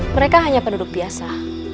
mereka hanya penduduk biasa